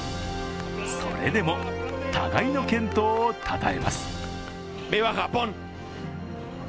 それでも、互いの健闘をたたえます。